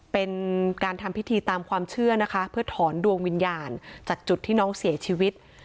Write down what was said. เป็นการทำพิธีตามความเชื่อนะคะเพื่อถอนดวงวิญญาณจากจุดที่น้องเสียชีวิต